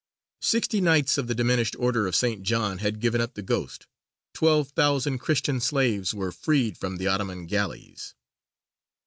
Sixty Knights of the diminished Order of St. John had given up the ghost. Twelve thousand Christian slaves were freed from the Ottoman galleys.